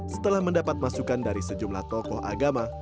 setelah mendapat masukan dari sejumlah tokoh agama